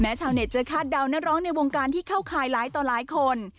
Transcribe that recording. ชาวเน็ตจะคาดเดานักร้องในวงการที่เข้าข่ายหลายต่อหลายคน